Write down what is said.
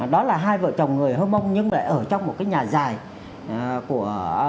đó là hai vợ chồng người hơ mông nhưng lại ở trong một cái nhà dài của